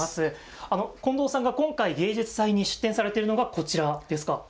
近藤さんが今回、芸術祭に出展されているのがこちらですか。